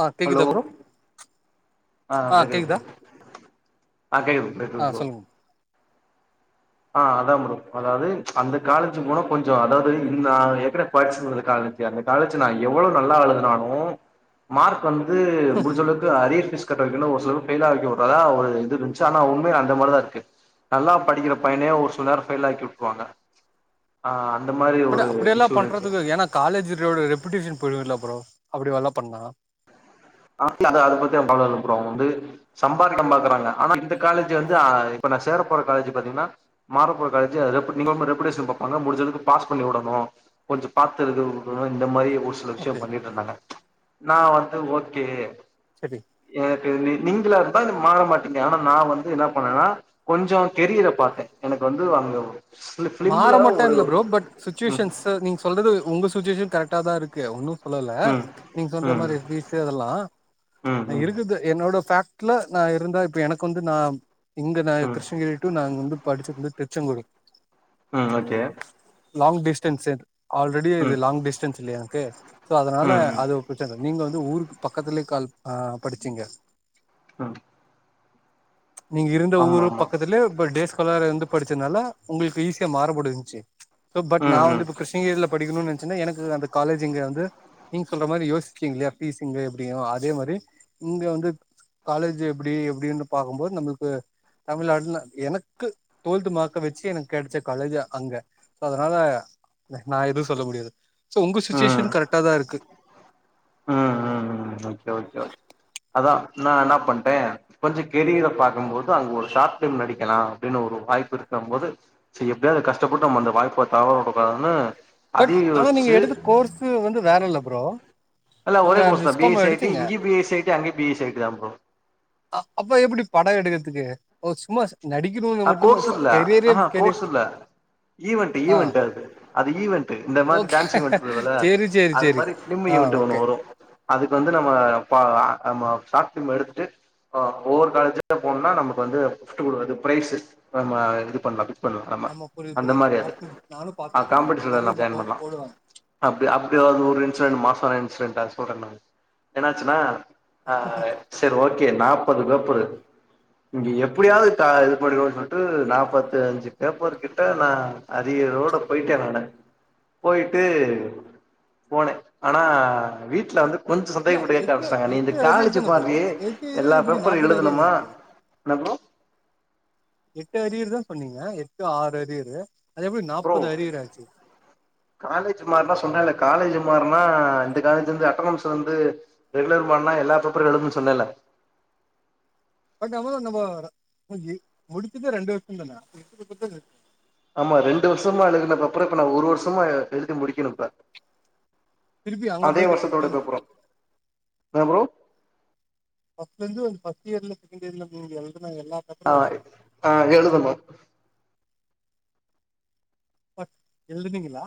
ஆ hello கேக்குதா bro ஆஹ் ஆ கேட்குது கேக்குதா புரோ ஆஹ் கேட்குது ஆ ப்ரோ சொல்லுங்க ஆஹ் அதான் புரோ அதாவது அந்த காலேஜ் போனா கொஞ்சம் அதாவது என்னா ஏற்கனவே படிச்சி வந்த காலேஜ் அந்த காலேஜ் நான் எவ்வளோ நல்லா எழுதுனாலும் மார்க் வந்து முடிஞ்சளவுக்கு அரிய பிஸ் க ஒரு சிலரு பெயிலாக்கி உட்டதா ஒரு இருந்து இருந்துச்சி ஆனா உண்மையா அந்த மாரி தான் இருக்கு நல்லா படிக்கிற பையனயே ஒரு சில நேரம் ஃபெயில் ஆக்கி வுட்ருவாங்க பட் அப்படியெல்லாம் பண்றதுக்கு ஏன்னா காலேஜ்ரோடு ரெபுடேஷன் போயிரும்இல்ல அப்புறம் அப்படி வேணா பண்ணா அத பத்திஅப்புறம் வந்து சம்பாத்தம் பாக்குறாங்க ஆனா இந்த காலேஜ் வந்து இப்ப நான் சேர போற காலேஜ் பாத்தீங்கன்னா மாறப்போற காலேஜி ரெபுட்டேஷன் பாப்பாங்க முடிஞ்சதுக்கு பாஸ் பண்ணி விடணும் கொஞ்ச பாத்து எழுது இந்த மாதிரி ஒரு சில விஷயம் ஓகே பண்ணிட்ருந்தாங்க நான் வந் ஓ கே சரி எனக்கு நீங்களா இருந்தா மாற மாட்டீங்க ஆனா நா வந்து என்னா பண்ணேனா கொஞ்சோ கேரியர பாத்தேன் எனக்கு வந்து அங்க மாற பிலிம்ல ஒரு மாட்டேன்ல்ல ப்ரோ பட் ம் சுச்சுவேஷன்ஸு நீங் சொல்றது உங்க சுச்சுவேஷன் கரெக்டா தா இருக்கு ஒன்னு சொல்லல ம் நீங் சொல்ற ம் மாரி ஃபிசு அதல்லா ம் அ ம் இருக்குது என்னோட ஃபே ட்ல நா இருந்தா இப்ப எனக்கு வந்து நா இங்க நா ம் கிருஷ்ணகிரி டூ நாங் வந்து படிச்சது து திருச்செங்கோடு ம் ஓகே லாங் டிஸ்டன்ஸ் சேந்து ஆல்ரெடி இது ம் லாங் டிஸ்டன்ஸ் இல்லயா தேர்க் சோ அதனால ம் அது [unintelligible] நீங்க வந்து ஊருக் பக்கத்துலே கால் அ படிச்சீங்க ம் நீங்க இருந்த ஆமா ஊருக் ஆமா பக்கத்துலே இப்ப டேஸ்காலருந்து படிச்சனால உங்களுக்கு ஈஸி [unintelligible] மாறுபடுஞ்சு சோ பட் நா ம் ம் வந்து இப்ப கிருஷ்ணகிரில படிகுனுன்னு நெ ச்சின்ன எனக்கு அந்த காலேஜ்ங்க வந்து நீங்க சொல்ற மாரி யோசிச்சீங் இல்லயா பீஸ் இங்க எப்டியும் அதே மாரி இங்க வந்து காலேஜ் எப்டி எப்டினு பாக்கும்போது நம்முல்க்கு தமிழ்நாடுல எனக்கு டுவல்த் மார்க்கா வச்சு எனக் கெடைச்ச காலேஜ்ஜ அங்க சோ அதனால நா எதும் சொல்ல முடியாது சோ உங்க ம் ம் சுச்சுவேஷ்ன் கரெக்டாதா இருக்கு ம் ம் ஓகே ஓகே ஓகே அதா நா என்னா பண்டே கொஞ்சோ கெரியர பாக்கும்போது அங் ஒரு ஷார்ட் பிலிம் நடிக்கலா அப்டின்னு ஒரு வாய்ப்பு இருக்கம்போது செரி எப்டியாது அது கஷ்டபட்டு நம்ம அந்த வாய்ப்ப தவற உடக்கூடாதுன்னு பட் அதியு ஆனா நீங்க யோச்சு எடுத்த கோர்ஸ் வந்து வேற இல்ல ப்ரோ எல்லா ஒரே நீங்க கோர்ஸ்தா B Viscom S E I T எடுத்தீங்க இங்கியு B S E I T அங்கியு பி எசி இ ஐ டி தா ப்ரோ அ அப்போ எப்டி பாட எடுக்குறதுக்கு ஓ சும்மா சொ அஹ் கோர்ஸ்ஸு இல்ல ஆஹா கெரி கோர்ஸ் இல்ல ஈவென்ட்டு ஆ ஈவென்ட்டு அது பேர் அது ஈவென்ட்டு இந்த மாரி ஓகே டான்ஸ் ஈவென்ட்டு வருல்ல சேரி சேரி அது சேரி மாரி பிலிம் ஆ ஈவென்ட்டு ஓகே ஒண்ணு வரு அதுக்கு வந்து நம்ம பா அ நம்ம காஸ்டியும் எடுதுட்டு ஆஹ் ஒவ்வொரு காலேஜா போனோன்னா நமக்கு வந்து [unintelligible] ப்ரைஸு நம்ம இது பண்லட்டி பண்லா நம்ம ஆமா புரியுது அந்த புரியுது மாரி அது ஷார்ட்ஃபிலிம் நானு ஆ பாத்துருக்கே காம்படிஷன்ல நா காலேஜ்ல ஜாயின் அப்பப்ப பண்லாம் போடுவாங்க அப்டி அப்டி அது ஒரு இன்சிடெண்ட் மாஸ்ன இன்சிடெண்ட்டா ஆச் சொல்றங் நா என்னாச்சுன்னா ஆஹ் சேர் ஓக் கே நாப்பது பேப்பரு இங்க எப்டியாவது க இ துபண்ணிக்கோங்க சொல்ட்டு நாப்பத்தஞ்சு பேப்பர் கிட்ட நா அரியாரோட போய்ட்டே நானு போய்ட்டு போனே ஆனா வீட்டுல வந்து கொஞ்ச இல்ல சந்தேகப்பட்டு கேட்க எட்டு ஆரம்பிச்சிட்டாங்க நீ இந்த எட்டு அரியர் காலேஜ்ஜூ தான ப்ரோ மார்றியே எட்டு எல்லா அரியர் எப்டி பேப்பரு நாப்பது அரியர் எழுதணுமா ஆச்சு என்ன ப்ரோ எட்டு அரியர் தா சொன்னீங்க எட்டு ஆறு அரியறு ப்ரோ காலேஜ் மார்னா சொன்னேல்ல காலேஜ்ஜூ மாற்னா இந்த காலேஜ்லிருந்து அட்டனன்ஸ் வந்து ரெகுலர் பண்ணா எல்லா பேப்பரு எழுதுணுன்னு சொன்னல்ல பட் நம்மதா நம்ம [inaudible] முடிச்சதே ரெண்டு வர்ஷந்தான [inaudible] ஆமா ரெண்டு வர்ஷமா எழுதுன பேப்பற இப்ப நா ஒரு வர்ஷமா எழுதி முடிக்கிணு இப்ப திருப்பி அங்க அதே போய்ட்டு வருஷத்தோட ஃபஸ்ட்லேந்து பேப்பரு [unintelligible] ப்ரோ ஃபர்ஸ்ட்லேந்து ஃபஸ்ட் இயர்ல செகண்ட் இயர்ல மீதி எல் ஆஹ ஆஹ எழுதுனு ப எழுதினீங்கலா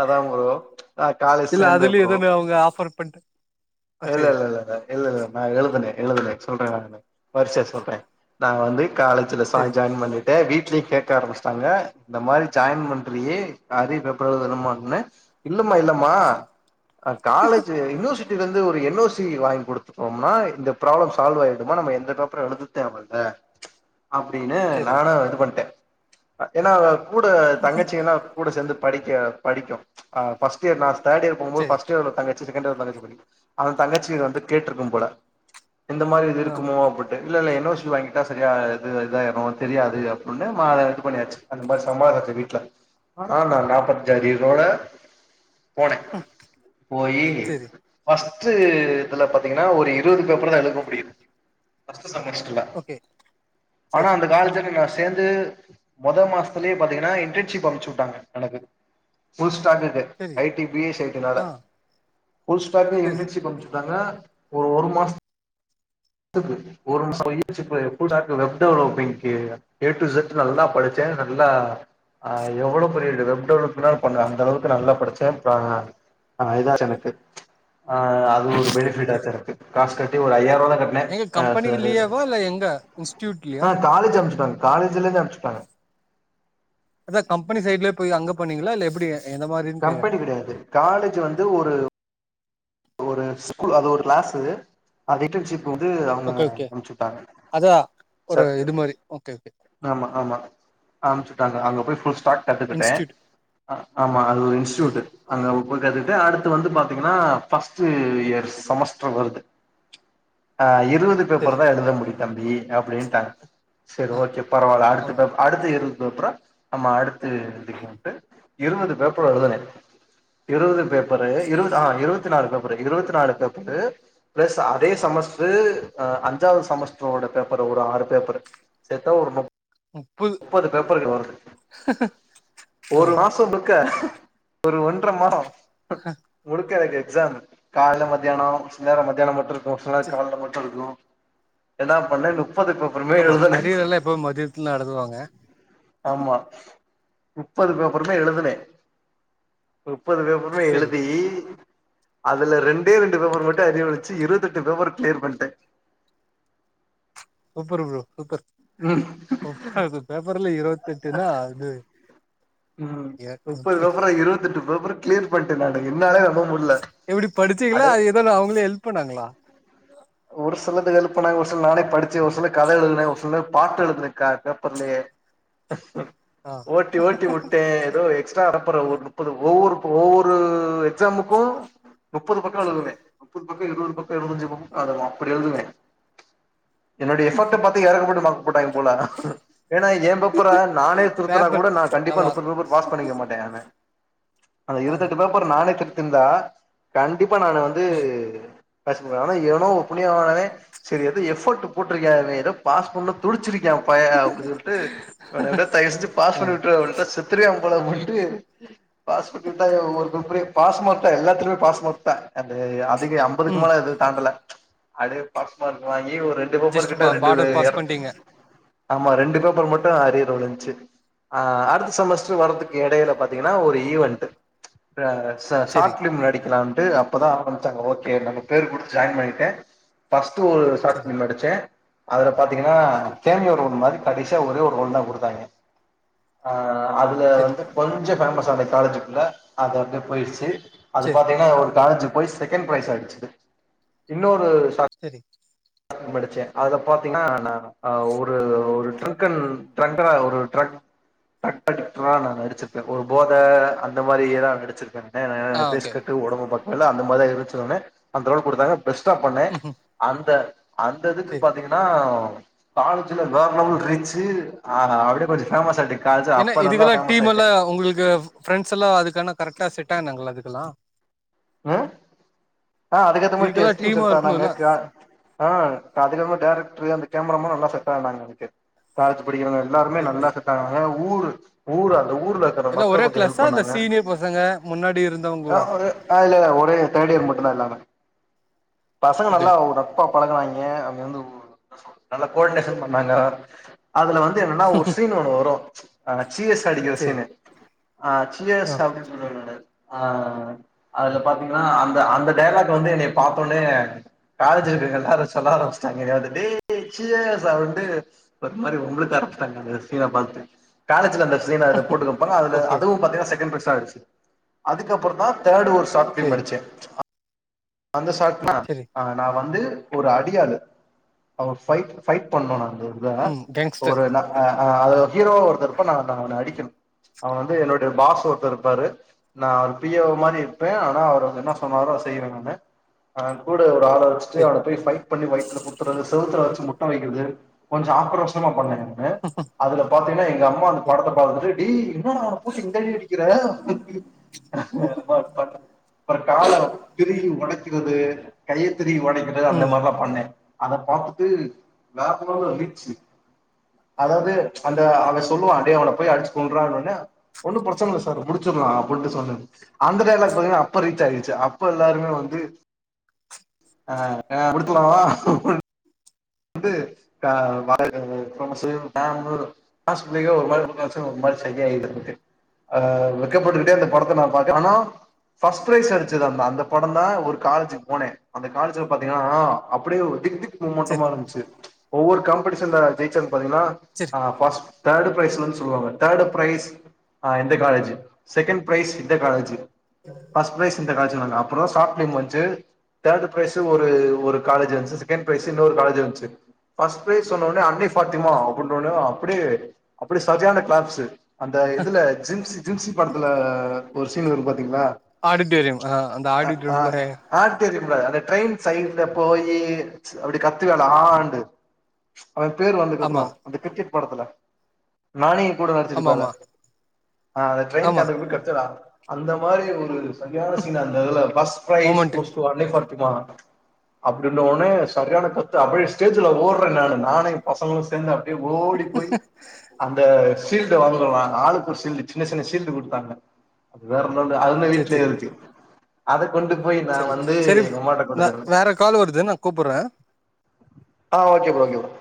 அதா ப்ரோ ச் ஆஹ காலேஜ் இல்ல சேந்த அதுலயு ப்ரோ எதோன்னு அவங்க ஆஃபர் பண்ட்டு ஆ இல்ல சேரி இல்ல இல்ல ந இல்ல இல்ல நா எழுதுனே எழுதுன சொல்றே நானு வரிசையா சொல்றே நா வந்து காலேஜ்ஜூல சேரி சாய் ஜாய்ன் பண்ணிட் டே வீட்லயே கேட்க ஆரம்பிச்சிட்டாங்க இந்த மாரி ஜாய்ன் பண்றியே அரியர் பேப்பரெழுதனுமானு இன்னுமா இல்லமா க காலேஜ்ஜூ யுனிவர்சிட்டிலேந் ந்து ஒரு என் ஓ சி வாங்கி குடுத்துட்டோம்னா இந்த ப்ராப்ளம் சால்வ் ஆய்டுமா நம்ம எந்தபேப்பரு எழுதுதேவல்ல அப்டின்னு சேரி நானா இது பண்ட்டே அ ஏன்னா கூட தங்கச்சினா கூட சேந்துட் படிக்க படிக்கு ச் அ ஃபர்ஸ்ட் இயர் நா தேர்ட் இயர் போம் போது சேரி ஃப்ர்ஸ்ட் இயர்ல ஒரு தங்கச்சி செக்ண்ட் இயர்ல ஒரு தங்கச்சி படிக் அவன் தங்கச்சி வந்து கேட்ருக்கும் போல இந்த மாரி இது ஆ இருக்குமோ அப்படி இல்ல இல்ல என் ஓ சி வாங்கிட்டா சரியா இது இதாயிரும் தெரியாது அப்டின்னு மா இது பண்ணியாச்சு அந்த மாரி சமாளிச்ச வீட்ல ஆனா நா நாப்பத்தஞ்சு அரியரோட போண்ணே ம் போயி சேரி ஃபர்ஸ்டு இதுல பாத்தீங்கன்னா ஒரு இருபது பேப்பரு தா எழுதனு முடியது ஃபர்ஸ்ட் செமஸ்ட்ரில்ல ஓகே ஆனா சேரி அந்த காலத்துல சேந்து மொத மாசத்திலேயே பாத்தீங்கன்னா இன்டர்ன்ஷிப் அம்ச்சு விட்டாங்க எனக்கு புல்ஸ் சாட்டர்டே சேரி I D B S C I டினால ஆ புஸ் [unintelligible] சேரி அணுப்ச்சுடாங்க ஒரு ஒரு மாசம் [unintelligible] web developing A to Z நல்லா படிச்சேன் நல்லா ஆஹ் எவ்ளோ பெரிய வெப் டெவலப் லாம் பண்ண அந்த அளவுக்கு நல்லா படிச்சேன் ஆ [unintelligible] ஆ அது ஒரு பெனிபிட் சேரி ஆச்சு எனக்கு காசு கட் ஒரு ஐயாருவா எங்க கம்பெனிக்குலீியாவா இல்ல எங்க இன்ஸ்டூட்லியா ஆ காலேஜ் அமுச்சுட்டாங்க காலேஜ்ல இருந்து அனுப்புச்சுிட்டாங்க அதான் கம்பெனி சைட்லையா போய் அங்க போனீங்களா இல்ல எப்படி கம்பெனி கிடையாது காலேஜ் வந்து ஒரு ஒரு ஸ்கூல் அது ஒரு கிளாஸ்சு அது இன்டன்ஷிப் வந்து அவுங்க ஓகே ஓகே அமுச்சுவுட்டாங்க அதா ஒரு இது மாரி ஓகே ஓகே [inaudible] ஆமா ஆமா அமுச்சுவுட்டாங்க அங்க போயு ஃபுல் ஸ்டார்ட் கத்துக்கிட்டேன் இன்ஸ்டியூட் ஆமா அது ஒரு இன்ஸ்டியூட் சேரி [unintelligible] அடுத்து வந்து பாத்தீங்கன்னா பஸ்ட் இயர் செமஸ்ட்ர் வருது ஆ [unintelligible] இருவது பேப்பர் சேரி தான் எழுத முடியும் தம்பி அப்படின்ட்டாங்க சேரி ஆ ஓகே பரவாயில்ல அடுத்து ஆமா பேப்பர் அடுத்து [unintelligible] பேப்பரா ஆமா அடுத்து எழுதிக்கலான்டு இருபது பேப்பர் எழுதுனே இருபது பேப்பர் பற இருபது ஆ இருபது [unintelligible] இருபத்தி நாலு பேபரு பிளஸ் அதே செமஸ்டர் அஞ்சாவது செமஸ்ட்ரோட பேப்பரு ஒரு ஆறு பேப்பரு சேத்தா ஒரு முப் முப்பது பேப்பர்கள் வருது ஆ ஒரு மாச இருக்க ஒரு ஒன்ற மரோ [unintelligible] எக்ஸாம் காலல மத்தியான சில நேர மத்தியானம் மட்டு இரு ஒரு சில நேரம் சே காலைல மட்டு இருக்கு ஏதா பண்ணே னு முப்பது பேப்பருமே எழுதுன எழுதுவாங்க முப்பது பேப்பருமே எழுதுனே முப்பது பேப்பருமே சேரி எழுதி அதுல ரெண்டே ரெண்டு பேப்பர் மட்டும் அரியர் வச்சி இருபத்தெட்டு பேப்பர் கிளியர் பண்ட்டே சூப்பர் ப்ரோ சூப்பர் ம் முப்பது பேப்பர்ல இருவத்தெட்டுனா அது உம் எ முப்பது எப்டி பேப்பரு இருபத்தெட்டு பேப்பரு கிளியர் பண்ட்டே நானு என்னாலே நம்ப முடில எப்டி அட படிச்சீங்களா அது எதாது அவுங்களே ஹெல்ப் பண்ணாங்களா ஒரு சிலது எல்ப் பண்ணாங்க ஒரு சில நானே படிச்சி ஒரு சில கத எழுதுன ஒரு சில பாட்டு எழுதுன க பேப்பர்லயே ஆ ஓட்டி ஓட்டி உட்டே ஏதோ எக்ஸ்ட்ரா ஒரு நுப்பது ஒவ்வொரு ஒவ்வொரு எக்ஸாமுக்கு நுப்பது பக்கொ எழுதுவே முப்பது பக்கொ இருவது பக்கொ இருவத்தஞ்சு பக் அதுல அப்டி எழுதுவே என்னோடைய எஃபக்ட்ட பாத்து எறக்கப்பட்டு மா போட்டாய்ங்க போல ஏன்னா ஏ பேப்பர நானே திருத்துனாக் பேப்பர் கூட நா கண்டிப்பா ஆமா முப்பது பேப்பர் பாஸ் பண்ணிக்க மாட்டே நானு அந்த ஆமா இருவத்தெட்டு பேப்பர் நானே திருத் ருந்தா கண் டிப்பா நானு வந்து ம் [unintelligible] எவனோ ஒரு புண்ணியவானே செரி எது எஃபோர்ட் போட்ருக்கானே ஏதோ பாஸ் பண்ண துடிச்சிருக் க்யா பைய அப்டின் சொல்ட்டு இவன எப்டியோ தயவ்செஞ்சி பாஸ் ஆ பண்ணி விட்ரு அவவிட்டா செத்துருவே [unintelligible] பாஸ் பண்ணி உட்டாய்ங்க ஒவ்வொரு பேப்பரையு பாஸ் மார்க்தா எல்லாத்துலமே பாஸ் மார்க்தா அந்த அ துக்கு அம்பதுக்கு ம் மேல எதுவு ல அப்டியே பாஸ் மார்க் வாங் கி ஒரு ரெண்டு பேப்பர் ஜஸ்ட் கிட்ட பா ரெண்டு பார்டர் பாஸ் [unintelligible] பண்ட்டீங்க ஆமா ரெண்டு பேப்பர் மட்டு அரியர் தோணுச்சி ஆ அடுத்த செமஸ்டர் வர்றதுக்கு எடையில பாத்தீங்கன்னா ஒரு ஈவென்ட்டு ர ச செரி ஷார்ட் ஃப்லிம் நடிக்கலாம் ட்டு அப்பதா ஆரம்பிச்சாங்க ஓகே நம்ம பேர் குடுத் ஜாயின் பண்ணிட்டே ஃபஸ்ட் டு ஒரு ஷாட் செரி ஃபிலிம் நடிச்சே அதுல பாத்தீங்கன்னா ஓகே கேமியோ ரோல் மாரி கடசியா ஒரே ஒரு ரோல்தா குடுத்தாய்ங்க ஆ அ அதுல செரி வந்து கொஞ்சொ ஃபேமஸ் ஆனு காலேஜுக்குள்ள அது வந்து போயிட்ச்சி அது செரி பாத்தீங்கன்னா ஒரு காலேஜு போய் செகண்ட் ப்ரைஸ் அடிச்சிது இன்னொரு செரி ஃப்லிம் நடிச்சே அதுல பாத்தீங்கன்னா நா ஆ ஓவொரு ஒரு [unintelligible] நான் நடிச்சிருப்பே ஒரு போதை அந்த மாரிதான் நடிச்சிருப்பே ஆ ஏ ஃபேஸ் ஓகே கட்டு உடம்ப பாத் அந்த மாரிதான் இருஞ்பச்சி உடனே அந்த ரோல் குடுத்தாங்க பெஸ்ட்டா பண்ணே ம் அந்த அந்த இதுக்கு செரி பாத்தீங்கன்னா காலேஜில வேற லெவல் ரீச்சு் ஆ அப்டியே கொஞ்சம் பேமஸ் ஆய்ட்ட ஏன்ன இதுகெல்லாம் டீம் எல்லா உங்களுக்கு பிரண்ட்ஸ் எல்லா அதுக்கான கரெக்டா செட் ட்டாங்கனு ல அதுக்கெல்லா ஆ ஆ அதுக்கு ஏத்தமாரி இதுக்கெல்லா டீம் டீமா செட் ஆனாங்க இருக்கணுல்ல ஆ அதுக்கு அப்ரம் டைரக்டரு கேமரா மேன் நல்லா செட்டானாக எனக்கு காலேஜி படிக்கர எல்லாருமே செரி நல்லா செரி செட்டாங்னாங்க ஊர் - ஊர் அந்த ஊ ஊர்ல இருக்கற எல்லா மக்கள் ஒரே கொஞ்சோஹெல்ப் கிளாஸா இல்ல பண்ணாங்க சீனியர் பசங்க முன்னாடி ஆ இருந்தவங்களா ஒரு ஆ இல்லல்ல ஒரே தேர்ட் இயர் மட் [inaudible] பசங்க ஓகே நல்லா ஓரப்பப் பழகனாய்க அவிங்க வந்து நல்லா கோயெட்னேஷன் பண்ணாங்க அ அதுல வந்து என்னன்னா ஒரு சீன் ஒண்ணு வரூ [unintelligible] சீர்ஸ்ஸா அடிக்கிற செரி சீனு ஆ சியர்ஸ் ஆ அப்டினு சொல்லுவாங்லிட ஆ அதுல பாத்தீங்ன்னா அந்த அந்த டைய்லாக்க வந்து என்னைைய பாத்தோனே காலேஜ் இருக்குற எல்லாரூ சொல்ல ஆரம்பிச்சிட்டாங்க என்ன வந்து டேய் சியேஸ் அப்டுனுட் ஒரு மாரி வம்பு இழுக்க ஆரம்பச்சிட்டாங்க அந்த சீன பாத்துட்டு காலேஜில அந்த சீன போட்டுக்கப்பா அதுல ஓகே அதுவூ பாத்தினா செகெண்ட் பரச் டாச்சு அதுக்கப்றந்தா தேர்டு ஒரு சாட் ஃபிள்ம் செரி நடிச்சே ஆ வந்த சாட்னா செரி ஆ நா வந்து ஒரு அடியாலு அவோ ஃபைட் ஃபைட் பண்ணோ நா ஒரு தா ம் கேங்ஸ்டர் ஒரு ந அ அ அதுல ஹீரோவா ஒருத்த இர்ப்பா நா நா அவன அடிக்கணு அவ வந்து என்னுடைய பாஸ் ஒருத்தர் இருப்பாரு நான் அவர் பி ஏ ஓ மாரி இருப்பே ஆனா அவர் வந்து என்னா சொன்னாரோ அத செய்வே நானு ஆ கூட ஒ ஒரால வச்சிட்டு செரி அவன போய் ஃபைட் பண்ணி வைத்துல குத்தறது செவுத்துல வச்சி முட் டொ வைக்கிறது கொஞ்சோ ஆக்ரோஷமா பண்ண [unintelligible] அதுல பாத்தீன்னா எங்க அம்மா அந்த படத்தப் பாத்துட்டு [unintelligible] என்னடா அவன போட்டு இந்த அடி அடிக்கிற [unintelligible] கால்ல திருவி ஒடச் [unintelligible] கையத் திரும்பி ஒடைக்கிறது ம் அந்த மாரில்லா பண்ணே அத பாத்துட்டு வேற ஃபோன்ல ரீச் அதாவுது அந்த அவன் சொல்லுவான் டே அவன போய் அடுச்சு கொன்றானோன ஒன்னு பிரச்சன இல்ல சார் முடுச்சுர்லா அப்புன்டு சொன்ன அந்த டைலாக் பாத்தீங்கன்னா அப்ப ரீச் ஆயிர்ச்சு அப்ப எல்லாருமே வந்து அ அ குடுத்தலாமா வந்து அ வ [inaudible] ஒரு மாரி ஷை ஆயிடுத்து ஆ வெக்கப்பட்டுக்குட்டே அந்த படத்த நா பாக்க ஆனா ஃபர்ஸ்ட் ப்ரைஸ் அடுச்சது அந்த அந்த படந்தா ஒரு காலேஜுக் போனே அந்த காலேஜுல பாத்தீங்கனா அப்டியே ஒரு திக் திக் மொட்ட செரி மாலும் ஒவ்வொரு காம்படிஷன்ல ஜெய்ச்சர்னு பாத்திங்னா செரி ஆ ஃபஸ்ட் தேர்டு ப்ரைஸ்லந் சொல்லுவாங்க தேர்டு ப்ரைஸ் ஆ எந்த காலேஜு செகண்ட் ப்ரைஸ் இந்த காலேஜு ஃபஸ்ட் ப்ரைஸ் இந்த காலேஜுனொன்ன அப்றோ ஷாட் ஃபிலிம் வன்ச்சு தேர்டு ப்ரைஸு ஒரு ஒரு காலேஜு வந்ச்சு செகண்ட் ப்ரைஸு இன்னொரு காலேஜ் வந்ச்சு ஃபர்ஸ்ட் ப்ரைஸ் சொன்னோன அன்னை ஃபாத்திமா ஆ அப்புனொன்னயு ப்டி அப்புடி சஜான க்ளாப்ஸு அந்த இதுல ஜிம்சி ஜிம்சி படத்துல ஒரு சீன் வரும்பாத் ஆடிட்டோரியம் ஆ அந்த ஆடிட்டோரிம்ல இல்ல அந்த ட்ரெயின் சைட்ல போயி அப்புடி கத்துவே தா ண்டு அவ பேர் வந்தக்கப்றோ ஆமா அந்த கிரிக்கெட் படத்துல நானி கூட ஆமா நடிச்சுருப்பாளே ஆமா ஆ அத ட்ரெயின் ஆமா [unintelligible] கச்சலா அந்த மாரி ஒரு சரியான சீனு அந்திதுல first prize moment goes to Annai ஃபா சிக்லா அப்டின்டவொனே சர்யான கத் து அப்புடே ஸ்டேஜ்ல ஓட்றே நானு நானு எ பசங்குளு சேந்த ப்டே ஓடி போயி அந்த ஷீல்ட வாங்குறோ நாங் ஆளுக்கொர் ஷீல்டு சின்ன சின்ன ஷீல்டு குடுத்தாங்க அது வேற [unintelligible] அதுன்ன வீட்லே இருக்கு அதுக் செரிப் செரிம ந வேற கால் வருது நா கூப்புற்ற ஆ ஓகே ப்ரோ ஓகே ப்ரோ